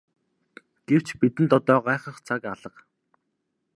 Гэвч бидэнд одоо гайхах цаг алга.